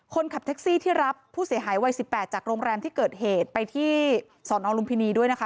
คนขับแท็กซี่ที่รับผู้เสียหายวัย๑๘จากโรงแรมที่เกิดเหตุไปที่สอนอลุมพินีด้วยนะคะ